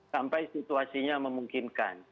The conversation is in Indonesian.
sampai situasinya memungkinkan